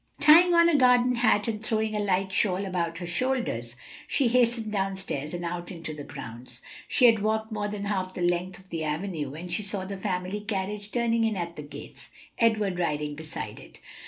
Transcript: Tying on a garden hat and throwing a light shawl about her shoulders, she hastened down stairs and out into the grounds. She had walked more than half the length of the avenue, when she saw the family carriage turning in at the gates, Edward riding beside it.